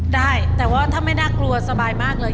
ได้แต่ว่าถ้าไม่น่ากลัวสบายมากเลย